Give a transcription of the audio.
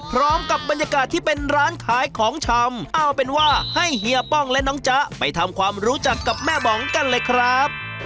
พร้อมกับบรรยากาศที่เป็นร้านขายของชำเอาเป็นว่าให้เฮียป้องและน้องจ๊ะไปทำความรู้จักกับแม่บองกันเลยครับ